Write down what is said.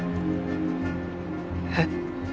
えっ？